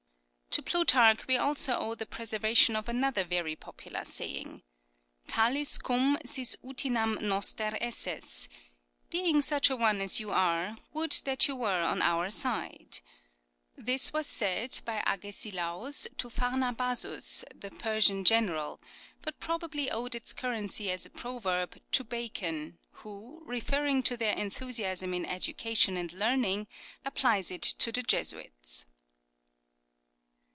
To Plutarch we also owe the preservation of another very popular saying, " Talis cum sis utinam noster esses !"(" Being such a one as you are, would that you were on our side !") This was said by Agesilaus to Pharnabazus, the Persian general ; but probably owed its currency as a proverb to Bacon, who, referring to their enthusiasm in education and learning, applies it to the Jesuits.